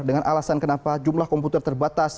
dengan alasan kenapa jumlah komputer terbatas